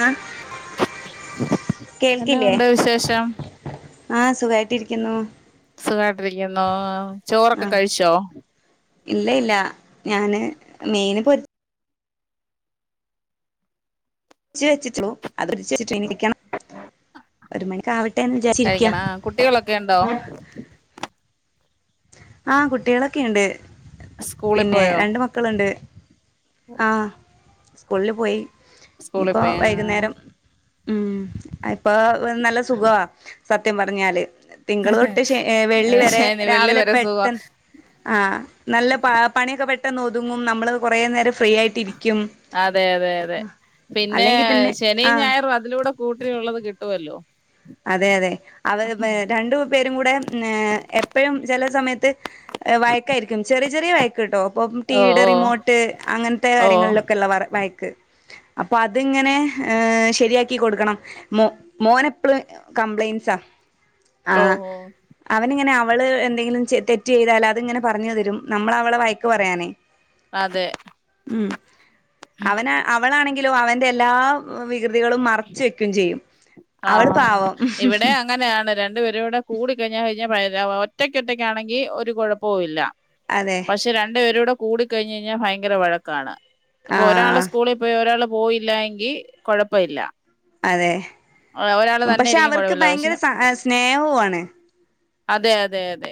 ആ എന്ന ഉണ്ട് വിശേഷം ആഹ് സുഖായിട്ടിരിക്കുന്നു സുഖായിട്ടിരിക്കുന്നു ചോറൊക്കെ ആഹ് കഴിച്ചോ ഇല്ല ഇല്ല ഞാന് മീനിന് പോരി ച്ചച്ച് വെച്ചിട്ടുള്ളൂ അത് [unintelligible] വെച്ചിട്ട്, ഇനിരിക്കണം ഒരുമണിക്കാവട്ടെന്ന് വിചാച്ചിരിക്ക കഴിക്കണം ആ കുട്ടികളൊക്കെ ഉണ്ടോ ആ കുട്ടികളൊക്കെയിണ്ട് സ്കൂളിൽ പിന്നെ പോയോ രണ്ട് മക്കളുണ്ട് ആ സ്കൂളിൽ പോയി സ്കൂളിൽ ഇനിപ്പം പോയി ആ വൈകുന്നേരം ഉം ഇപ്പൊ നല്ല സുഖവാ സത്യം പറഞ്ഞാല് തിങ്കൾ തൊട്ട് ശവെള്ളി വരെ ശനി വെള്ളി രാവിലെ വരെ പെ ട്ട സുഖം നല്ല പണിയൊക്കെ പെട്ടെന്ന് ഒതുങ്ങും നമ്മള് കൊറെ നേരം ഫ്രീ ആയിട്ടിരിക്കും അതെ അതെ അതെ പിന്നെ അല്ലെങ്കി ശനിയും, ആഹ് ഞായറും, അതിലൂടെ കൂട്ടിഉള്ളത് കിട്ടുവല്ലോ അതെ അതെ അവ രണ്ടുപേരും കൂടെ ഏ എപ്പോഴും ചെല സമയത്ത് വയക്കായിരിക്കും ചെറിയ ചെറിയ വയക്ക് കേട്ടോ ഇപ്പം ഓ ടിവിയുടെ ഓ റിമോട്ട് അങ്ങനത്തെ ഓ കാര്യങ്ങളിലൊക്കെ വർ വഴ അപ്പൊ അതിങ്ങനെ ശരിയാക്കി കൊടുക്കണം മോ മോന എപ്പളും കംപ്ലൈന്റ്റ്സാ, ആ, ഓഹോ അവനിങ്ങനെ അവള് എന്തെങ്കിലും തെറ്റ് ചെയ്താലത് അങ്ങനെ. പറഞ്ഞു തരും നമ്മളവളെ വയക്ക്. പറയാനേ അതെ ഉ, അവന, അവളാണെങ്കിലോ, അവൻന്റെ, എല്ലാ കൃതികളും, മറച്ച്, വെക്കയും, ചെയ്യും അവള് ആഹ, പാവം ഇവിടെ, അങ്ങനെയാണ്, രണ്ടു, പേരും, കൂടെ കൂട, കഴിഞ്ഞ, കഴിഞ്ഞയ ഒറ്റക്കൊറ്റക്കാണെങ്കിൽ, ഒരു, കുഴപ്പവല്ല, അതെ പക്ഷെ, രണ്ടു, പേരോട കൂടി, കഴിഞ്ഞഞ്, കഴിഞ്ഞാൽ, ഭയങ്കര, വഴക്കാണ് ഇപ്പോ, ഒരാള്, ആഹ് സ്കൂളിൽ, പോയി, ഒരാൾ പോയില്ല, എങ്കി, കൊഴപ്പല്ല അതെ, പക്ഷെ, ഇരിക്കും അവർക്ക്, കുഴപ്പമില്ല പക്ഷെ ഭയങ്കര, സ്നേഹവ, ആണ് അതെ, അതെ, അതെ,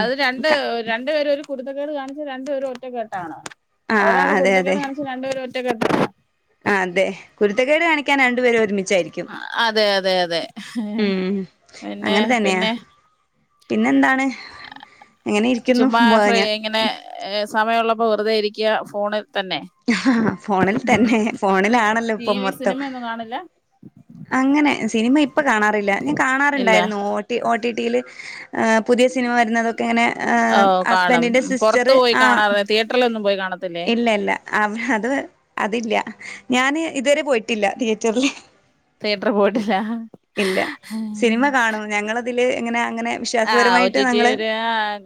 അത്, രണ്ട്, രണ്ടു, പേര, ഒരു കുടുത്തക്കേട്, കാണിച്ച, രണ്ടുപേരും, ഒറ്റക്കെട്ടാണ്, ആഹ് ഒരാള്, അതെ കുടുത്തക്കേട്, കാണിച്ച, രണ്ടുപേര ഒറ്റക്കെട്ടാണ് ആ, അതെ, കുരുത്തക്കേട്, കാണിക്കാൻ രണ്ടുപരും ഒരുമിച്ചച്ച് ച്ചായിരിക്കും, അതെ അതെ അതെ ഉ, പിന്നെ അങ്ങനെ, തന്നെയാ പിന്നെന്താണ് എങ്ങനെ ഇരിക്കുന്നു ചുമ്മാഫ്ര, ഞാ ഇങ്ങനെ, സമയം ഉള്ളപ്പോ, വെറുതെ, ഇരിക്കുക, ഫോണി ആ, ഫോണിൽ, തന്നെ, ഫോണിലാണല്ലോ, ടി ഇപ്പൊ വി മൊത്തം സിനിമയൊന്നും കാണില്ല അങ്ങനെ, സിനി, മ ഇപ്പ, കാണാറില്ല ഞാൻ, ഇല്ല കാണാറുണ്ടായിരുന്നു, ടി, ഓ, ടി, ടി, യില് എ, പുതിയ, സിനിമ, വരുന്നതൊക്കെ, ങ്ങനെ, ഓ കാണും ഹസ്ബൻഡി്റെ, പുറത്ത് സിസ്റ്ററ്, പോയി ആ കാണാറില്ല തിയേറ്ററിലൊന്നും പോയി കാണത്തില്ലേ ഇല്ല, ഇല്ല ആ, അത്, അതില്ല, ഞാന്, ഇതുവരെ, പോയിട്ടില്ല, തിയറ്ററില് തിയേറ്ററിൽ പോയിട്ടില്ല ഇല്ല, സിനിമ, കാണും, ഞങ്ങളതില്, ങ്ങനെ അങ്ങനെ, ആഹ് ഒ വിശ്വാസപരമായിട്ട്, ടി ടി നങ്ങൾ, ഒരു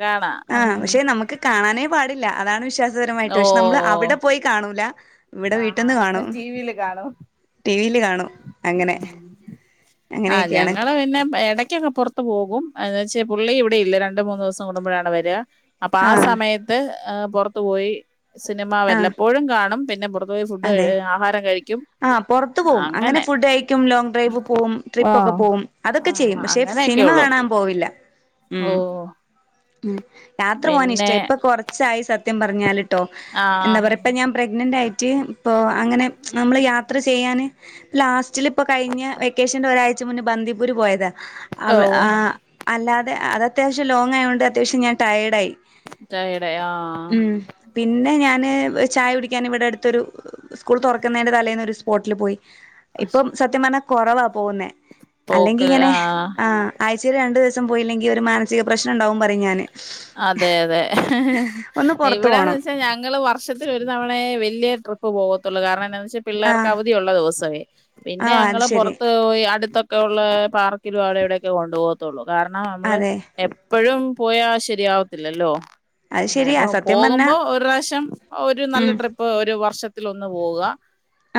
കാണാം ആ, ഉം പക്ഷെ, നമുക്ക് കാണാനേ, പാടില്ല, അതാണ്, വിശ്വാസ രമായിട്ട്, ഓ ക്ഷെ, നമ്മള്, അവിടെ, പോയി കാണൂല, ഇവിടെ, ആഹ് വീട്ടന്ന്, ആഹ് കാണും ടി ടിവിയിയില്, കാണ ആ്, അങ്ങനെയൊക്കെയാണ് ഞങ്ങള്, പിന്നെ, എടക്കൊക്കെ, പുറത്തു, പോകും, എന്ന, വെച്ച പുള്ളി ഇവിടെ, ഇല്ല, രണ്ട, മൂന്ന്, ദിവസം, കൊടുമ്പോഴാണ്, വരിക, അപ്പൊ, ആ, സമയത്ത്, പുറത്തു, പോയി സിനിമ, ആ വല്ലപ്പോഴും, കാണും, പിന്നെ, പുറത്തുപോയി ഫുഡ്, ക, ആഹാരം, കഴിക്കും ആ്, പുറത്ത അങ്ങനെ, ഫുഡ്യക്കും, ലോങ്, ഡ്രൈവ്, പോവു, ട്രിപ്പ ഒക്കെ, ആഹ് പോകും, അതൊക്കെ, ചെയ്യും, ആഹ് പക്ഷെ, അങ്ങനെയൊക്കെ സിനിമ, ഉള്ളു കാണാൻ, പോവില്ല ഓ ഉം യാത്ര പോകൻ ഇഷ്ട പിന്നെ ഇപ്പൊ കൊറച്ചായി സത്യം പറഞ്ഞാല് ട്ടോ. ആഹ് എന്താ പറയ ഇപ്പൊ ഞാൻ പ്രഗ്നന്റ് ആയിട്ട് ഇപ്പൊ അങ്ങനെ നമ്മൾ യാത്ര ചെയ്യാന്, ലാസ്റ്റിലിപ്പൊ കഴിഞ്ഞ വെക്കേഷൻ്റെ ഒരാഴ്ച മുന്നേ ബന്ദിപ്പൂര് പോയതാ ഓ അവ് ആ അല്ലാതെയോ, അത് അത്യാവശ്യം ലോങ് ആയോണ്ട് അത്യാവശ്യം ഞാൻ ടയേഡായി. ടയേർഡായി ആഹ് ഉം പിന്നെ ഞാന് ചായ കുടിക്കാൻ ഇവിടെ അടുത്തൊരു സ്കൂൾ തുറക്കുന്നേൻ്റെ തലേന്നൊരു സ്പോട്ടിൽ പോയി ഇപ്പം സത്യം പറഞ്ഞാ കൊറവാ പോകുന്നെ. പോക്കല് അല്ലെങ്കിങ്ങനെ ആഹ് ആ ആഴ് ആഴ്ചേൽ രണ്ട് ദിവസം പോയില്ലെങ്കി ഒരു മാനസിക പ്രശ്നംണ്ടാവും പറിം ഞാന് അതെ അതെ ഒന്ന് പുറത്തു ഇവിടെന്ന് പോണം വെച്ചാ ഞങ്ങള് വർ വർഷത്തിൽ ഒരു തവണയേ വല്യ ട്രിപ്പ് പോകത്തൊള്ളൂ, കാരണമെന്നാ വെച ച്ച് പിള്ളേർക്ക് ആഹ് അവധിയുള്ള ദിവസവേ. പിന്നെ ആഹ് അത് ഞങ്ങള് ശരി പുറത്ത് പോയി അടു ത്തൊക്കെ ഉള്ള പാർക്കിലും അവിടെ ഇവിടെയൊക്കെ കൊണ്ടു പോകത്തൊള്ളൂ കാരണം, നമ്മള് അതെ എപ്പഴും പോയാ ശരിയാവത്തില്ലല്ലോ അത് ഏ ശരിയാ ഇപ്പൊ സത്യം പറഞ്ഞാ പോകുമ്പോ ഒരുറാവശ്യം ഒരു നല്ല ഉം ട്രിപ്പ് ഒരു വർഷത്തിൽ ഒന്ന് പോവുക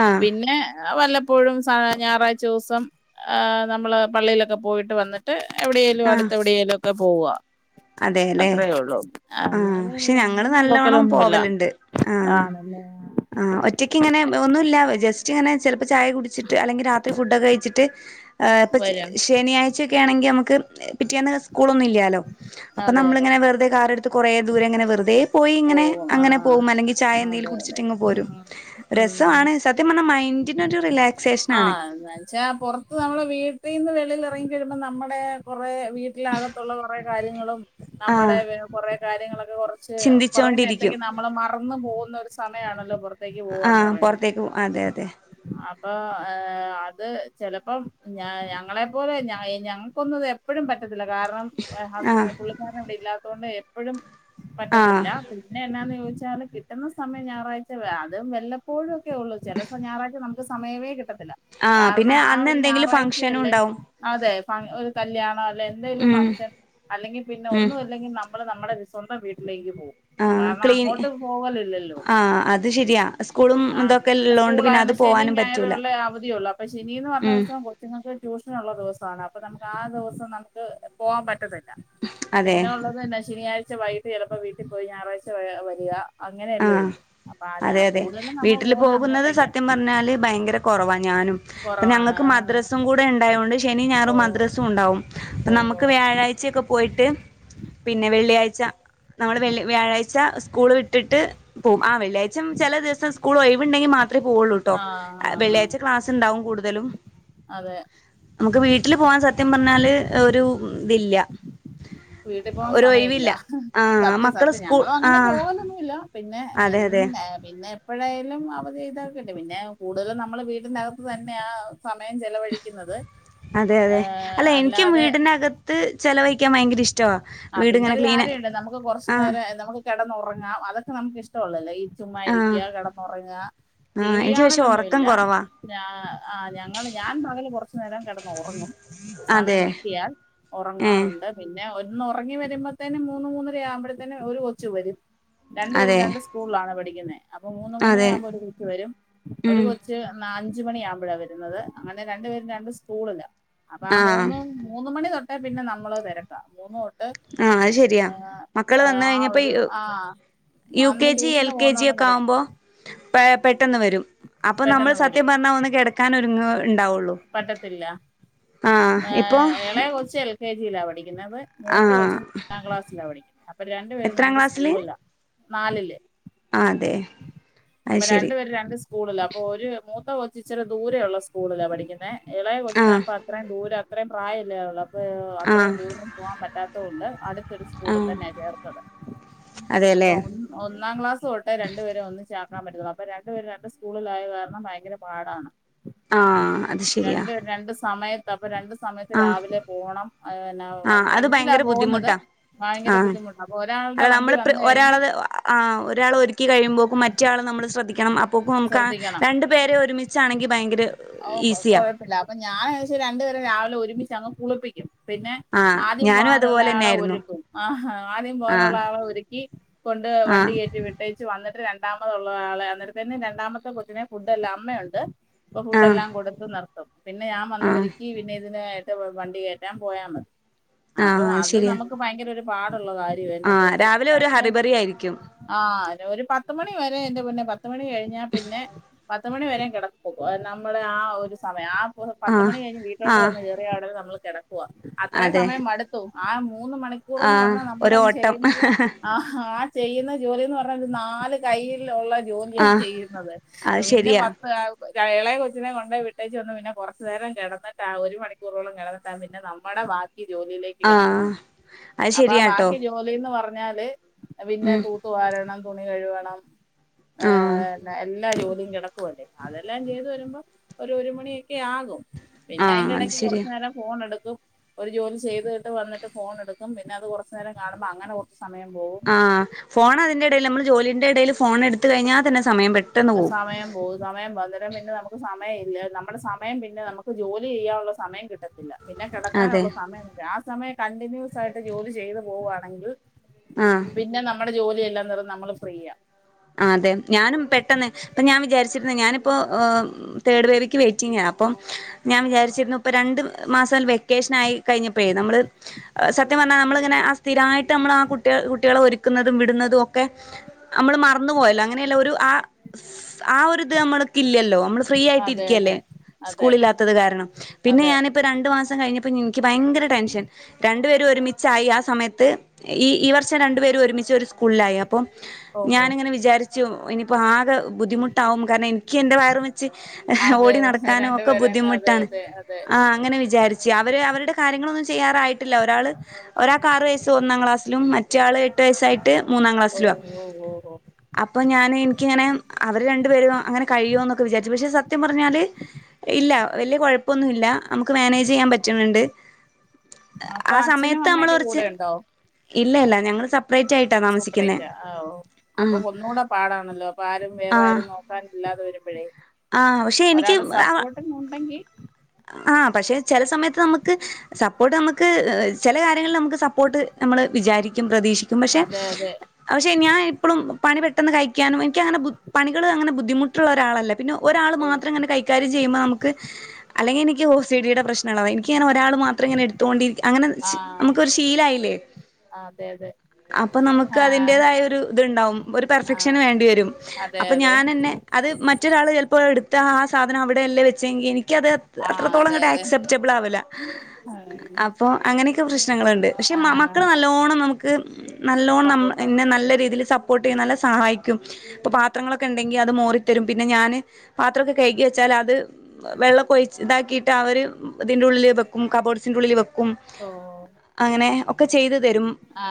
ആഹ് പിന്നെ.. വല്ലപ്പോഴും സാധാ ഞായറാഴ്ച ദിവസം ഏ നമ്മള് പള്ളിയിലൊക്കെ പോയിട്ട് വന്നിട്ട് എവിടേലും ആഹ് അടുത്ത് എവിടേലൊക്കെ പോവ അതെല്ലേ അത്രയേ ഒള്ളൂ. ആഹ് അല്ലാതെ പക്ഷെ ഞങ്ങള് അങ്ങനെ നല്ലോണം നോക്കലൊന്നുമില്ല. ആണല്ലേ ആ ഒറ്റയ്ക്കിങ്ങനെ ഒന്നൂല്ല ജസ്റ്റ് ഇങ്ങനെ ചെ ചായ കുടിച്ചിട്ട് അല്ലെങ്കിൽ രാത്രി ഫുഡ്ഒക്കെ കഴിച്ചിട്ട് വരും ശനിയാഴ്ച ണെങ്കി നമ്മക്ക് പിറ്റേന്ന് സ്കൂളൊന്നും ഇല്ല്യാലൊ. അപ്പൊ അതെ അതെ നമ്മള്ങ്ങനെ വെറുതെ കാറെടുത്ത് കൊറേ ദൂരെങ്ങെനെ വെറുതെ പോയി പോകും ഇങ്ങനെങ്ങനെ ആഹ് പോവും അല്ലെങ്കി ചായെ എന്തെലും അതെ കുടിച്ച്ട്ട് അതെ പോരും. ആഹ് ഉം രസമാണ് സത്യം പറഞ്ഞാ മൈൻഡിനൊരു റിലാക്സേഷനാണ് ആഹ് എന്നാച്ചാ പുറത്ത് നമ്മളെ വീട്ടീന്ന് വെ ളിൽ ഇറങ്ങിക്കഴിയുമ്പോ നമ്മടെ കൊറേ വീട്ടിലകത്തുള്ള കൊറേ കാര്യങ്ങളും, നമ്മുടെ ആഹ് കൊറേ കാര്യങ്ങളൊക്കെ കൊറച്ച് കൊറേ ചിന്തിച്ചോണ്ടിരിക്കും നേരത്തേക്ക് നമ്മള് മറന്നു പോവുന്ന ഒരു സമയാണ്. ആ പൊർത്തേക്ക് അതെ അതെ. അപ്പോ ഏ അത് ചെലപ്പം ഞ ഞങ്ങളെ പോലെയുള്ള ഞയി ഞങ്ങൾക്കൊന്നും എപ്പഴും പറ്റത്തില്ല കാരണം ആഹ് പുള്ളിക്കാരൻ ഇവിടെ [unintelligible] എപ്പോഴും പറ്റത്തില്ല, ആഹ് പിന്നെ എന്നാന്ന് ചോദിച്ച [unintelligible] കിട്ടുന്ന സമയം ഞായറാഴ്ച അതും വല്ലപ്പോഴുഒക്കെ ഉള്ളൂ. ചെലസം ഞായറാഴ്ച നമുക്ക് സമയവേ കിട്ട ത്തില്ല. ആഹ് കാരണം പിന്നെ ആ അന്ന് ഒരു എന്തെങ്കിലും ഫംഗ്ഷനും ഞായറാഴ്ചയല്ലേ ഉണ്ടാവും അതെ ഒരു കല്യാണോ അല്ലെ എന്തെങ്കിലും ഉം ഫംഗ്ഷൻ, അല്ലെങ്കിപിന്നെ ഉം ഒന്നും അല്ലെങ്കിൽ നമ്മ് നമ്മള് നമ്മളേ സ്വന്തം വീട്ടിലേക്ക് പോകും ആ കാരണം ക്ലീനി അങ്ങോട്ട് പോകലില്ലല്ലോ ആ അത് ശരിയാ സ്കൂളും ആഹ് ഇന്തൊക്കെ സ്കൂളായോണ്ട് ശനി ഞായർ ഇള്ളെ അവധിയൊള്ളൂ. അപ്പൊ ശനീന്ന് പറഞ്ഞ ഉം ദിവസം കൊച്ചുങ്ങൾക്ക് ട്യൂഷനുള്ള ദിവസമാണ്‌ അപ്പൊ അപ്പ നമുക്ക് ആ ദിവസം നമുക്ക് പോകാൻ പറ്റത്തില്ല. അതെ പിന്നെ ഉള്ളത് ശനിയാഴ് വൈകീട്ട് ചെലപ്പോ വീട്ടിപ്പോയി ഞായറാഴ്ച്ച ഏ വരിക അങ്ങനെയല്ലേ ആഹ് ഒള്ളൂ. അപ്പ ഞാ അതെ അതെ കൂടുതലും നമ്മള് വീട്ടില് പോകുന്ന അങ്ങോട്ട് പോകുന്നത് സത്യം പറഞ്ഞാല് ഭയങ്കര കൊറവാണ് ഞാനും. ഇപ്പ കുറവാണ് ഞങ്ങക്ക് ആഹ് മദ്രസ്സും കൂടെ ഇണ്ടായോണ്ട്, ശനിം, ഓ ഞായറും മദ്രസ്സുണ്ടാവും. ഇപ്പൊ ഓ നമുക്ക് വ്യാഴാഴ്ചയൊക്കെ പോയിട്ട് പിന്നെ വെള്ളിയാഴ്ച്ച, നമ്മള് വെള്ളി വ്യാഴാഴ്ച്ച സ്കൂള് വിട്ടിട്ട് പോകും. ആ വെള്ളിയാഴ്ചം ചെല ദിവസം സ്കൂള് ഒഴിവ്ണ്ടെങ്കി മാത്രേ പോവൊള്ളുട്ടോ ആഹ് ആഹ് വെള്ളിയാഴ്ച ക്ലാസ് ഉണ്ടാവും കൂടുതലും അതെ നമുക്ക് വീട്ടില് പോവാൻ സത്യം പറഞ്ഞാല് ഒരു ഇതില്ല. വീട്ടിപ്പോകാൻ ഒരു സമയമില്ല. ഒഴിവില്ല ആഹ് സത്യം മക്കള് സത്യം സ്കൂൾ ഞങ്ങളും അങ്ങനെ ആഹ് പോകലൊന്നുമില്ല പിന്നെ അതെ അതെ എന്നും ഏ പിന്നെ എപ്പോഴായാലും അവ ചെയ്തക്കെട്ട് പിന്നെ കൂടുതലും നമ്മൾ വീടിൻ്റെ അകത്ത് തന്നെയാണ് സമയം ചലവഴിക്കുന്നത് അതെ അതെ അല്ല എനിക്ക് വീടിനകത്ത് ചിലവഴിക്കാൻ ഭയങ്കര ഇഷ് ആ പിന്നെരു കാര്യണ്ട് നമുക്ക് കുറച്ചു ആഹ് നേരം നമുക്ക് കിടന്ന്റങ്ങാം അതൊക്കെ നമുക്ക് ഇഷ്ടള്ളല്ലോ ഈ ചുമ്മാ ആഹ് ഇരിക്ക കിടന്ന്ങ്ങുക ടി ആഹ് വി എനിക്ക് പക്ഷെ ഒറക്കം കാണാലൊന്നുംല്ല കൊറവാ ഞാ ആഹ് ഞങ്ങള് ഞാൻ പകല് കുറച്ചു നേരം കിടന്ന് ഉറങ്ങും സമയം അതെ കിട്ടിയാൽ ഏഹ് ഉറങ്ങാറുണ്ട് പിന്നെ ഒരു ഒന്ന് ഉറങ്ങി വരുമ്പോത്തേനും മൂന്ന് മൂന്നര ആവുമ്പോഴത്തേന് ഒരു കൊച്ചു വരും രണ്ടു പേരും അതെ രണ്ട് സ്കൂളിലാണ് പഠിക്കുന്ന അപ്പൊ മൂന്ന് മൂന്നര അതെ ആവുമ്പോ ഒരു കൊച്ച് വരും ഒരു ഉം കൊച്ച് നാ അഞ്ച് മണിയാകുമ്പോഴാ വരുന്നത് അങ്ങനെ രണ്ടു പേരും രണ്ട് സ്കൂളില്ല അപ്പൊ ആ ആഹ് മൂന്ന് മൂന്ന് മണി തൊട്ട പിന്നെ നമ്മള് തിരക്കാം മൂന്ന് ആഹ് അത് ശരിയാ മക്കള് ആ, വന്ന ആ കഴിഞ്ഞപ്പോ ഈ ഒരു ആ യു കെ അന്ന് ജി എൽ ട്യൂഷന് കെ ജി പോകുന്നോണം ഒക്കെ വരെ ആവുമ്പോ പെട്ടെന്ന് വരും അപ്പൾ നമ്മൾ പെട്ടെന്ന് വരും സത്യം പറഞ്ഞാൽ ഒന്ന് കിടക്കാൻ ഒരുങ്ങ ഉണ്ടാവുള്ളൂ പറ്റത്തില്ല ആഹ് ആ, ഇപ്പോ ഇളയ കൊച്ച് എൽ കെ ജിയിലാണ് പഠിക്കുന്നത് മൂത്ത കൊച്ച് മൂന്നാ ക്ലാസ്സിലാണ് പഠിക്കുന്നത് അപ്പ രണ്ടു പേരും എത്രാം രണ്ട് ക്ലാസ്സില് സ്കൂളിലാ നാലില് ആഹ് അതെ അത് അപ്പൊ ശെരി രണ്ടുപേര് രണ്ട് സ്കൂളിലാ അപ്പൊ ഒരു മൂത്ത കൊച്ച് ഇച്ചിരി ദൂരെയുള്ള സ്കൂളിലാ പഠിക്കുന്നേ ഇളയ കൊച്ചിന് ആഹ് അപ്പ അത്രയും ദൂരം അത്രയും പ്രായമില്ല ഇള അത്രയും ആഹ് ദൂരം പോകാൻ പറ്റാത്തത്ണ്ട് അടുത്തൊരു സ്കൂളിൽ ആഹ് തന്നെയ ചേർത്തത് അതെല്ലേ അപ്പൊ ഒന്നാം ക്ലാസ് തോട്ടെ രണ്ടുപേരും ഒന്ന്ച്ച കാണാൻ പറ്റുന്നു അപ്പൊ രണ്ടു പേര് രണ്ട് സ്കൂളില ആയത് കാരണം ഭയങ്കര പാടാണ് ആ രണ്ട് രണ്ട് സമയത്ത് അപ്പൊ രണ്ട് സമയത്ത് ആഹ് രാവിലെ പോണം ന്ന വണ്ടിയിലാ പോകുന്നത് ആ ഭയങ്കര ബുദ്ധിമുട്ടാ അപ്പൊ ഒരാളുടെ അല്ല നമ്മൾ വണ്ടി വന്ന് കഴിഞ്ഞ് ഒരാളേ ആ ഒരാൾ ഒരുക്കി കഴിയുമ്പോക്കും മറ്റയാള് നമ്മൾ ശ്രദ്ധിക്കണം അപ്പോക്ക ശ്രദ്ധിക്കണം രണ്ടു പേരെ ഒരുമിച്ചാണെങ്കിൽ ഭയങ്കര ഈസി കുഴപ്പില്ല അപ്പൊ ഞാൻ എനിപ്പിച്ചു രണ്ടുപരെ രാവിലെ ഒരുമിച്ച് അങ്ങ് കുളിപ്പിക്കും പിന്നെ ആഹ് ആദ്യം ഞാനും പോകാനുള്ള അതുപോലെ തന്നെ ആളെ ആയിരുന്നു ഒരുക്കും ആ ആദ്യം പോകാനുള്ള ആഹ് ആളെ ഒരുക്കി കൊ ണ്ട് വണ്ടി ആഹ് കേറ്റി വിട്ടേച്ച് വന്നിട്ട് ര രണ്ടാമത് ഒള്ള ആളെ അന്നരത്തെന് രണ്ടാമത്തെ കൊച്ചിനെ ഫുഡ് എല്ലാം അമ്മുണ്ട് ഫുഡ് ആഹ് എല്ലാം കൊടു ത്ത് നിർത്തും പിന്നെ ഞാൻ വന്ന് ആഹ് ഒരുക്കി പിന്നെ ഇതിനായിട്ട് വണ്ടി കേറ്റാൻ പോയാ മതി അപ്പൊ ആഹ് അത് ശരിയാ നമുക്ക് ഭയങ്കര ഒരു പാ ട് ഉള്ള ഒരു കാര്യംണ്‌ ന്താന് ആഹ് വെച്ചാൽ ഈ രാവിലെ ഒരു രണ്ട് ഹറിബറി ആയിരിക്കും ആ ഒരു പത്ത്മണി വരെ എന്റെ മുന്നെ പത്തുമണി കഴിഞ്ഞാ പിന്നെ പ പത്ത് മണി വരെ കിടക്കും അത് നമ്മൾ ആ ഒരു സമയം ആ പത്ത് ആഹ് മണി കഴിഞ്ഞ് വീട്ടിലോട്ട് ആഹ് വന്ന് കയറിയ ഒടനെ നമ്മള് കിടക്കവാ അത്രേ അതെ സമയം മടുത്തു ആ മൂന്ന് മണിക്കൂർന്ന് ആഹ് പറഞ്ഞാൽ നമ്മൾ ഒരു ഓട്ടം ചെയ്യുന്നത് ആ ചെയ്യുന്ന ജോലിന്ന് പറഞ്ഞാ ഒരു നാല് കയ്ൽ ഉള്ള ജോലിയാ ആഹ് ചെയ്യുന്നത് അത് പിന്നെ ശരിയാ പത്ത് ഇളയ കൊച്ചിനെ കൊണ്ടേ വിട്ട് പ്രത്കിച്ച്ന്ന് ഒന്നും മില്ല പിന്നെ കുറച്ച് നേരം കിടന്നിട്ട് ഒരു മണിക്കൂറോളം കിടന്നട്ട പിന്നെ നമ്മുടെ വാ ക്കി ജോലിയിലേക്ക് ആഹ് കിടക്കുന്നത് അത് അപ്പൊ ആ ശരിയാട്ടോ ബാക്കി ജോലിന്ന് പറഞ്ഞാല് പിന്നെ ഉം തൂത്തു വാരണം തുണി കഴുവണം ആഹ് ഏ എല്ലാ ജോലി കിടക്കല്ലേ അതെല്ലാം ചെയ്തു വരുമ്പോ ഒരു ഒരു മണിയൊക്കെ ആകും പിന്നെ ആഹ് അയിന്റെ അത് ഇടക്ക് ശരിയാ കൊറച്ചു നേരം ഫോൺ എടു ക്കും ഒരു ജോലി ചെയ്തിട്ട് വന്നിട്ട് ഫോൺ എടുക്കും പിന്നെ അത് കുറച്ച് നേരം കാണുമ്പോ അങ്ങെ കു ആഹ് ഫോൺ അതിന്റെ ഇടയിൽ നമ്മള് ജോലിന്റെ ഇടയിൽ ഫോൺ എടുത്ത കഴിഞ്ഞാൽ തന്നെ സമയം പ സമയം പോകും സമയം പതു പിന്നെ നമുക്ക് സമയമില്ല നമ്മുടെ സമയം പിന്നെ നമുക്ക് ജോലി ചെയ്യാനുള്ള സമയം കിട്ടത്തില്ല പിന്നെ അതെ കിടക്കാനുള്ള സമയംണ്ട് ആ സമയം കണ്ടിന്യൂസ് ആയിട്ട് ജോലി ചെയ്തു പോവുകവാണെങ്കിൽ ആഹ് പിന്നെ നമ്മുടെ ജോലിെല്ലാം നിറ നമ്മള് ഫ്രീ ആ ആ അതെ ഞാനും പെട്ടെന്ന് ഇപ്പ ഞാൻ വിചാരിച്ചിരുന്ന ഞാനിപ്പോ് തേർഡ് ബേബിക്ക് വെയിറ്റിംഗ് അപ്പ ഞാൻ വിചാരിച്ചിരുന്നു ഇ രണ്ട് മാസ വെക്കേഷൻ ആയി കഴിഞ്ഞപ്പോഴ നമ്മള് സത്യം സത്യം പറഞ്ഞാൽ നമ്മളിങ്ങനെ ആ സ്ഥിരമായിട്ട് നമ്മൾ ആ കുട്ട കുട്ടികളെ ഒരുക്കുന്നതും വിടുന്നതും ഒക്കെ നമ്മൾ മറക്കും ന്ന പോയല്ലോ അങ്ങനെയല്ല ഒരു ആ ആരിത് നമ്മൾക്ക് ഇല്ലല്ലോ നമ്മള് ഫ്രീ ആയിട്ട് അതെ ഇരിക്കല്ലേ അതെ അതെ സ്കൂള ഇില്ലാത്തത് കാരണം അതെ പിന്നെ ഞാനിപ്പോ രണ്ടു മാസം കഴിഞ്ഞപ്പോ എനിക്ക് ഭയങ്കര ടെൻഷൻ രണ്ട് രണ്ടുപേരും ഒരുമിച്ചായി ആ സമയത്ത് ഈ ഈ വർഷം രണ്ടുപേര ഒരുമിച്ച് ഒരു സ്കൂളിലായി അപ്പോം അപ്പം ഓഹോ ഞാനിങ്ങനെ വിചാരിച്ചു ഇനിയിപ്പോൾ ആകെ ബുദ്ധിമുട്ടാവും കാരണം എന്റെ വയർ വച്ച് അതെ ഓടി നടക്കാനും ഒക്കെ രണ്ടുപേരെന്ന് അതെ ബുദ്ധിമുട്ടാണ് അതെ അതെ ആ അങ്ങനെ വിചാരിച്ചു അവര് അവരുടെ കാര്യങ്ങളൊന്നും ചെയ്യാറായിട്ടില്ല ഒരാൾ ഒരാൾക്ക് ആറ് വയസ്സ് ഒന്നാം ക്ലാസിലും മറ്റാൾ എട്ട് വയസ്സായിട്ട് മൂന്നാം ഓ ക്ലാസ്സില ഓ ഓ ഓ അപ്പൊ ഞാൻ എനിക്കിങ്ങനെ അവര് രണ്ടു പേര അങ്ങനെ കഴിയോ എന്നൊക്കെ വിചാരിച്ചു പക്ഷെ സത്യം പറഞ്ഞാല് ഇല്ല ഇല്ല വലിയ കുഴപ്പൊന്നുമല്ല നമുക്ക് മാനേജ് ചെയ്യാൻ പറ്റുന്നുണ്ട് അപ്പൊ ആ അച്ഛനും സമയത്ത് നമ്മള് അമ്മയൊക്കെ കുറച്ച് കൂടെ ഉണ്ടോ ഇല്ല ഇല്ല ഞങ്ങൾ സെപ്പറേറ്റ് ആയിട്ടാ താമസിക്കുന്നത് ആ ഒന്നൂടെ പാടാണല്ലോ അപ്പ ആരും വേറെ ആരും നോക്കാ ഇില്ലാതെ വരുമ്പോഴേ ആഹ് പക്ഷെ ഒരാള് എനിക്ക് സപ്പോർട്ട് ഉണ്ടെങ്കിൽ ആ പക്ഷെ ചില സമയത്ത് നമുക്ക് സപ്പോർട്ട് നമുക്ക് ചില കാര്യങ്ങളിൽ നമുക്ക് സപ്പോർട്ട് നമ്മള് വിചാരിക്കും പ്രതീക്ഷിക്കും പക്ഷെ അതെ അതെ പക്ഷെ ഞാൻ എപ്പളും പണി പെട്ടന്ന് കഴിക്കാനും എനിക്ക് അങ്ങന പണികൾ അങ്ങന ബുധി [unintelligible] ബുദ്ധിമുട്ടുള്ള ഒരാളല്ല പിന്നെ ഒരാൾ ഓ മാത്രം അങ്ങനെ കൈകാര്യം ചെയ്യുമ്പോൾ നമുക്ക് അല്ലെങ്കി എനിക്ക് ഓസിടിടെ പ്രശ്നള്ളതാ എനിക്ക്ങ്ങനെ ഒരാള് മാത്രം ഇങ്ങനെ എട്ത്തോണ്ടി അങ്ങനെ ആ നമുക്കൊരു ശീലായില്ലേ അതെ അതെ അപ്പൊ നമുക്ക് ആ അതിന്റേതായോരു ഇത്ണ്ടാവും ഒരു ആ പെർഫെക്ഷന് വേണ്ടിവരും അതെ അപ്പൊ അതെ ഞാനെന്നെ അത് മറ്റൊരാള് ചെലപ്പോ എട്ത്ത ആ സാധനം അവിടെയല്ല വെച്ചെങ്കി എനിക്ക ത് ആ അതെ അത്രത്തോളങ്ങ്ട്ട് അതെ ആക്സെപ്റ്റബ്ൾ ആവുല ഉം. അപ്പോ അങ്ങനെയൊക്കെ പ്ര ശ്നങ്ങള്ണ്ട് പക്ഷെ ആ മക്കൾ നല്ലോണം നമുക്ക് നല്ലോണം നമ്മ സപ്പോർട്ടാണ് എന്നെ നല്ല രീതിൽ സപ്പോർ ട്ടെയും നല്ലോ സഹായിക്കും ഇപ്പൊ പാത്രങ്ങളൊക്കെണ്ടെങ്കി അത് മോറിത്തരും പിന്നെ ഞാന് പാത്രോക്കെ കഴ്കി വെച്ചാലത് വെള്ളൊക്കൊഴ് ച്ച് ഇതാക്കിട്ട് അവർ ഇതിന്റെ ഉള്ളിൽ വെക്കും കബോർഡ്സിന്റെ ഉള്ളില് വെക്കും ഓ അങ്ങനെ ഒക്കെ ചെയ്തു തരും ആ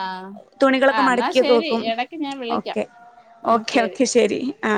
ആ തുണികളൊക്കെ എന്നാ മടക്കിയൊക്കെ ശരി വെക്കും ഇടക്ക് ഞാൻ വിളിക്കാം ഓക്കെ ഓക്കെ ഓക്കെ ശരി ആ